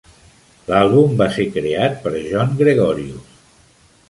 L'àlbum va ser creat per John Gregorius.